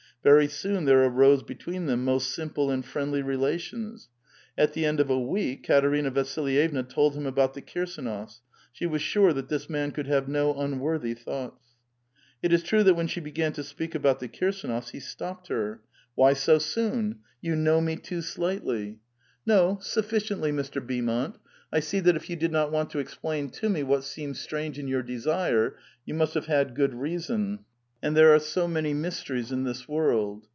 Very soon there arose between them most simple and friendly relations. At the end of a week Katerina Vasilyevna told him about the Kirsdnofs ; she was sure that this man could have no un worthy thoughts. It is true that when she began to speak about the Eirsdnofs, he stopped her: "Why so soon? You know me too slightly." A VITAL QUESTION. 433 "No; sufficiently, Mr. Beaumont; I see that if you did not want to explain to me what seemed strange in your desire, you must have had good reason ; and there are so man}' mysteries in this world."